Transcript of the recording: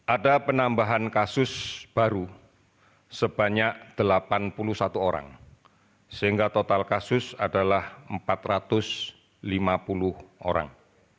ada penambahan kasus baru sebanyak delapan puluh satu orang sehingga total kasus adalah empat ratus lima puluh orang